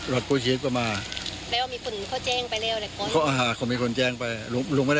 แล้วมีคนที่แจ้งไปแล้ว่ะ